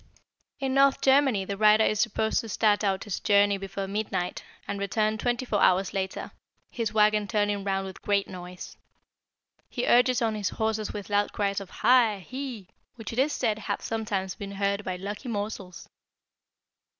"In North Germany 'The Rider' is supposed to start out on his journey before midnight, and to return twenty four hours later, his wagon turning round with a great noise. He urges on his horses with loud cries of 'hi! he!' which it is said have sometimes been heard by lucky mortals."